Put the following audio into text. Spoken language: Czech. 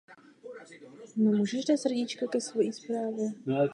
V té době letěl nad oceánem.